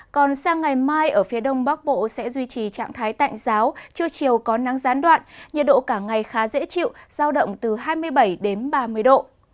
còn sang ngày mai ở phía đông bắc bộ sẽ duy trì trạng thái tạnh giáo trưa chiều có nắng gián đoạn nhiệt độ cả ngày khá dễ chịu giao động từ hai mươi bảy đến ba mươi độ